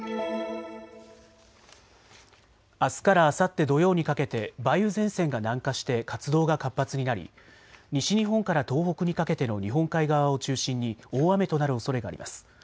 あすからあさって土曜にかけて梅雨前線が南下して活動が活発になり西日本から東北にかけての日本海側を中心に大雨となるおそれがあります。